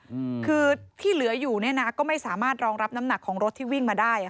อืมคือที่เหลืออยู่เนี้ยนะก็ไม่สามารถรองรับน้ำหนักของรถที่วิ่งมาได้อ่ะ